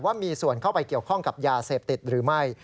ว่ามีส่วนเข้าไปเกี่ยวข้องกับยาเสพติดหรือไม่